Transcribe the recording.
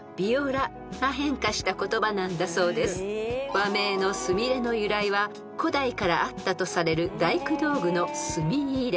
［和名のスミレの由来は古代からあったとされる大工道具の墨入れ］